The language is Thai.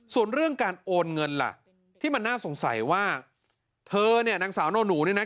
ส่วนเรื่องการโอนเงินล่ะที่มันน่าสงสัยว่าเธอเนี่ยนางสาวโนหนูเนี่ยนะ